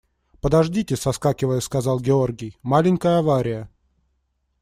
– Подождите, – соскакивая, сказал Георгий, – маленькая авария.